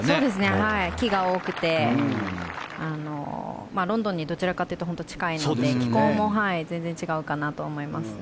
木が多くてロンドンにどちらかというと近いので気候も全然違うと思います。